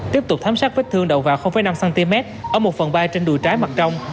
tiếp tục thám sát vết thương đầu vào năm cm ở một phần bay trên đuôi trái mặt trong